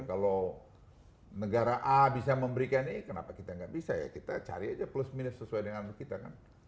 kalau negara a bisa memberikan ini kenapa kita nggak bisa ya kita cari aja plus minus sesuai dengan kita kan